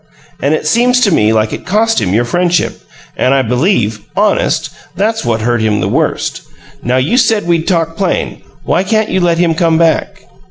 And it seems to me like it cost him your friendship, and I believe honest that's what hurt him the worst. Now you said we'd talk plain. Why can't you let him come back?"